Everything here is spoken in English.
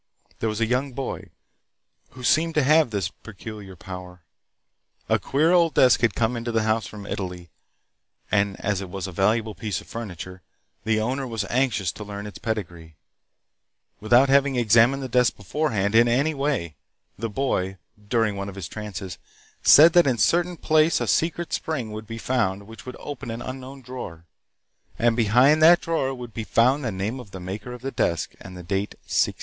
There was a young boy who seemed to have this peculiar power. A queer old desk had come into the house from Italy, and as it was a valuable piece of furniture, the owner was anxious to learn its pedigree. Without having examined the desk beforehand in any way the boy, during one of his trances, said that in a certain place a secret spring would be found which would open an unknown drawer, and behind that drawer would be found the name of the maker of the desk and the date 1639.